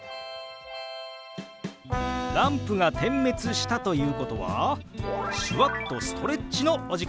ランプが点滅したということは手話っとストレッチのお時間です！